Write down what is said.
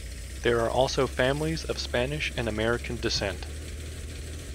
There are also families of Spanish and American descent.